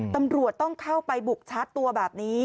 ตำรวจต้องเข้าไปบุกชาร์จตัวแบบนี้